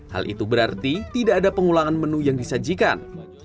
hal itu berarti tidak ada pengulangan menu yang disajikan